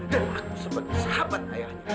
dan aku sebagai sahabat ayah